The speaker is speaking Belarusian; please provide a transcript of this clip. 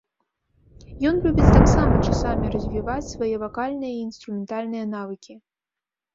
Ён любіць таксама часамі развіваць свае вакальныя і інструментальныя навыкі.